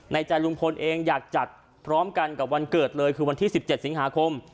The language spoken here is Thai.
ใจลุงพลเองอยากจัดพร้อมกันกับวันเกิดเลยคือวันที่๑๗สิงหาคม